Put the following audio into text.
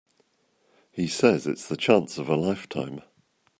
He says it's the chance of a lifetime.